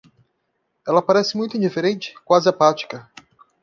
Ela parece muito indiferente? quase apática.